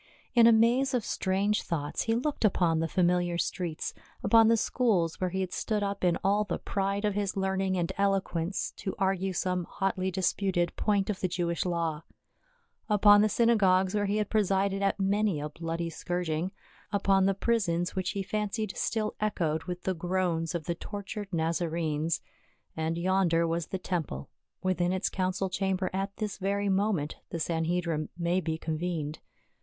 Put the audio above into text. In a maze of strange thoughts he looked upon the familiar streets, upon the schools where he had stood up in all the pride of his learning and eloquence to argue some hotly disputed point of the Jewish law ; upon the synagogues where he had presided at many a bloody scourging ; upon the prisons which he fancied still echoed with the groans of the tortured Nazarenes ; and yonder was the tem ple, within its council chamber at this very moment the Sanhedrim may be convened.